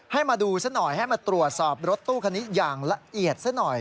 มาดูซะหน่อยให้มาตรวจสอบรถตู้คันนี้อย่างละเอียดซะหน่อย